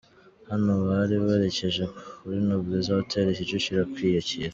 Hano bari berekeje kuri Nobleza Hoteli, Kicukiro kwiyakira.